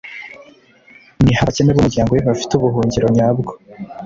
ni ho abakene b’umuryango we bafite ubuhungiro nyabwo.